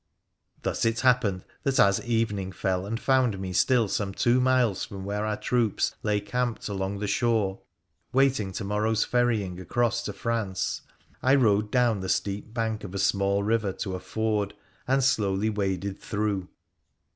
Thus it happened that as evening fell and found me still some two miles from where our troops lay camped along the shore, waiting to morrow's ferrying across to France, I rode down the steep bank of a small river to a ford, and slowly waded through.